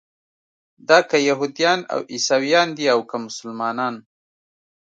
دا که یهودیان او عیسویان دي او که مسلمانان.